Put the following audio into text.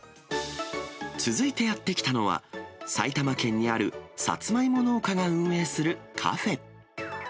続いてやって来たのは、埼玉県にあるサツマイモ農家が運営するカフェ。